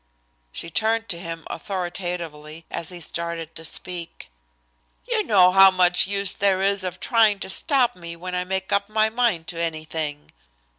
She turned to him authoritatively as he started to speak. "You know how much use there is of trying to stop me when I make up my mind to anything."